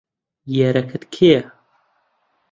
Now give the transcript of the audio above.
یارەکەت کێیە؟